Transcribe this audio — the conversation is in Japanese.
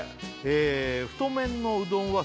え「太麺のうどんは」